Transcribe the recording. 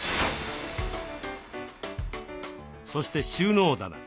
そして収納棚。